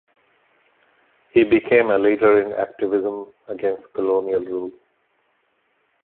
He became a leader in activism against colonial rule.